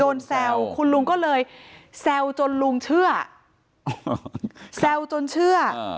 โดนแซวคุณลุงก็เลยแซวจนลุงเชื่อ